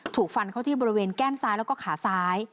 ถูกฟันเข้าที่บริเวณแก้มซ้ายแล้วก็ขาซ้าย